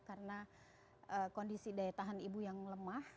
karena kondisi daya tahan ibu yang lemah